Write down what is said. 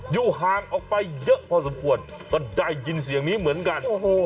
อยู่ห่างออกไปเยอะพอสมควรก็ได้ยินเสียงนี้เหมือนกัน